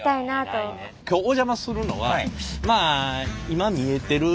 今日お邪魔するのはまあ見えてる？